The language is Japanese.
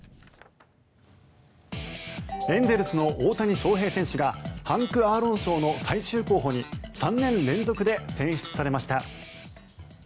エンゼルスの大谷翔平選手がハンク・アーロン賞の最終候補に３年連続で選出されました。